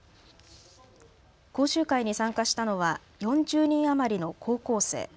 講習会に参加したのは４０人余りの高校生。